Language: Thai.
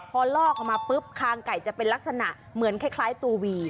พอลอกออกมาปุ๊บคางไก่จะเป็นลักษณะเหมือนคล้ายตัววี